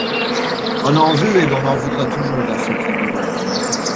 On en veut et l'on en voudra toujours à ceux qui gouvernent.